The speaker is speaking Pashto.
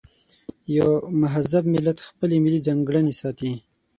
یو مهذب ملت خپلې ملي ځانګړنې ساتي.